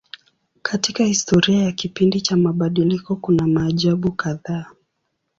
Katika historia ya kipindi cha mabadiliko kuna maajabu kadhaa.